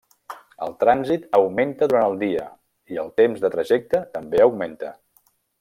El trànsit augmenta durant el dia, i el temps de trajecte també augmenta.